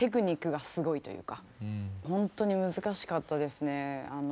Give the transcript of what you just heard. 本当に難しかったですね。